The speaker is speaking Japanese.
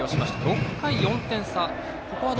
６回、４点差。